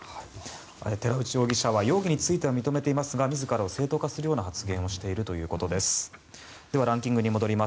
寺内容疑者は容疑については認めていますが自らを正当化するような発言をしているということです。